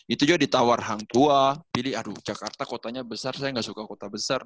itu juga ditawar hang tua jadi aduh jakarta kotanya besar saya gak suka kota besar